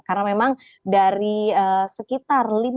karena memang dari sekitar lima puluh tujuh negara anggota